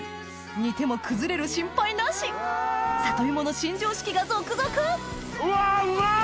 煮ても崩れる心配なし里芋の新常識が続々うわうまい！